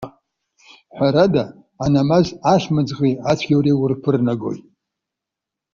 Ҳәарада, анамаз ахьымӡӷи ацәгьауреи урԥырнагоит.